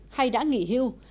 hay đã nghỉ hưu